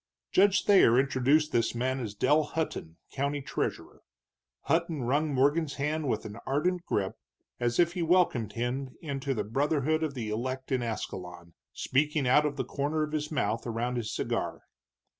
Judge Thayer introduced this man as Dell Hutton, county treasurer. Hutton wrung Morgan's hand with ardent grip, as if he welcomed him into the brotherhood of the elect in Ascalon, speaking out of the corner of his mouth around his cigar.